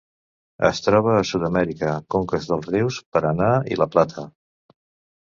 Es troba a Sud-amèrica: conques dels rius Paranà i la Plata.